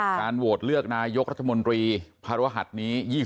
โหวตเลือกนายกรัฐมนตรีภารหัสนี้